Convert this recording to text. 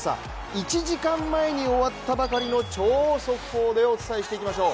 １時間前に終わったばかりの超速報でお伝えしていきましょう。